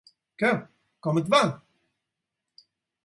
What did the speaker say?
Què, com et va?